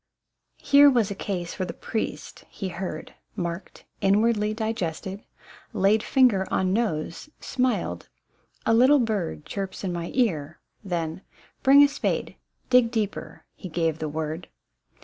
Here was a case for the priest : he heard, Marked, inwardly digested, laid Finger on nose, smiled, " There's a bird GOLD 11MU. 79 Chirps in my car :" then, " Bring a spade, Dig deeper!" — he gave the word.